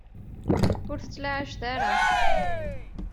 Ur t-ttlaɛajet ara.